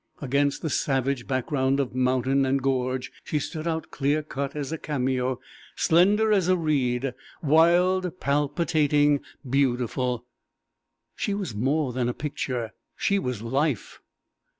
Against the savage background of mountain and gorge she stood out clear cut as a cameo, slender as a reed, wild, palpitating, beautiful. She was more than a picture. She was life.